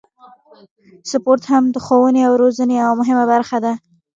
سپورت هم د ښوونې او روزنې یوه مهمه برخه ده.